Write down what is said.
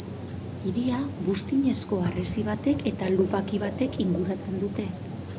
Hiria buztinezko harresi batek eta lubaki batek inguratzen dute.